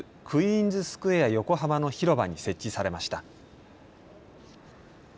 クイーンズスクエア横浜の広場に設置されました。